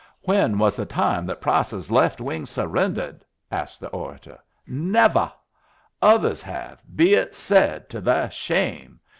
"When was the time that Price's Left Wing surrendered?" asked the orator. "Nevuh! Others have, be it said to their shame.